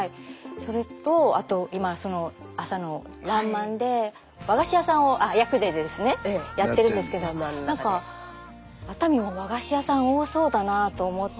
それとあと今朝の「らんまん」で和菓子屋さんを役でやってるんですけどなんか熱海も和菓子屋さん多そうだなと思って。